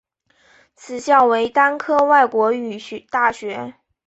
该校为单科外国语大学。